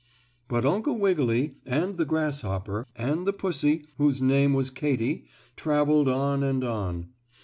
But Uncle Wiggily, and the grasshopper, and the pussy whose name was Katy traveled on and on.